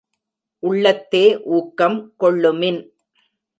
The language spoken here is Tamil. உள்ளத்தே ஊக்கம் கொள்ளுமின்!